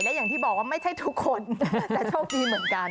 และอย่างที่บอกว่าไม่ใช่ทุกคนแต่โชคดีเหมือนกัน